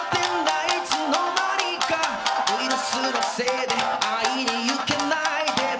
ウイルスのせいで会いに行けないけど